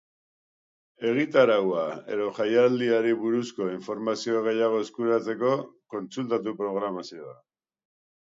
Egitaraua edota jaialdiari buruzko informazio gehiago eskuratzeko, kontsultatu programazioa.